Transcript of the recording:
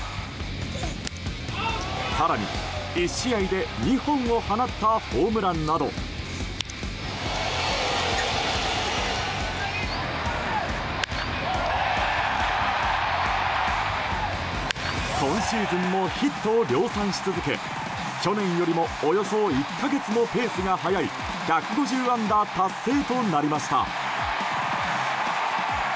更に、１試合で２本を放ったホームランなど今シーズンもヒットを量産し続け去年よりもおよそ１か月もペースが速い１５０安打達成となりました。